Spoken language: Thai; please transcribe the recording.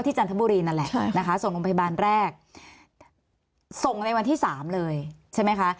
จันทบุรีนั่นแหละนะคะส่งโรงพยาบาลแรกส่งในวันที่๓เลยใช่ไหมคะ